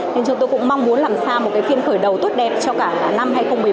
nên chúng tôi cũng mong muốn làm sao một cái phiên khởi đầu tốt đẹp cho cả năm hai nghìn một mươi bốn